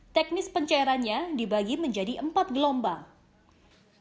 teknis pencairannya dibagi menjadi empat gelombang